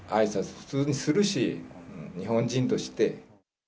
普通にするし、日本人として。